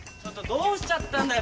どうしちゃったんだよ